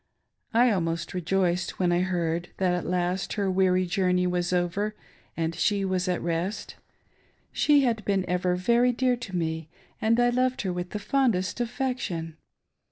I almost rejoiced when I heard that at last her weary journey was over and she was at rest. She had been ever very dear to me, and I loved her with the fondest affection.